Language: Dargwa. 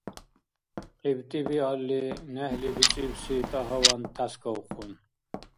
КьибтӀи биалли, нехӀли бицӀибси тӀагьаван тяскавхъун.